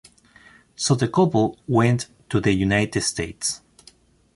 So the couple went to the United States.